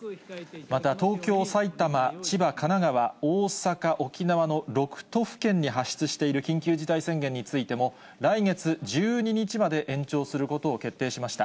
また、東京、埼玉、千葉、神奈川、大阪、沖縄の６都府県に発出している緊急事態宣言についても、来月１２日まで延長することを決定しました。